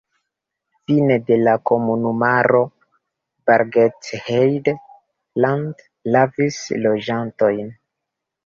Fine de la komunumaro Bargteheide-Land havis loĝantojn.